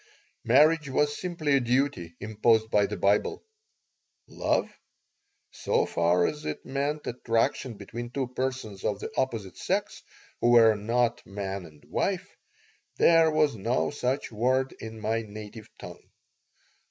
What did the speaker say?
Marriage was simply a duty imposed by the Bible. Love? So far as it meant attraction between two persons of the opposite sex who were not man and wife, there was no such word in my native tongue.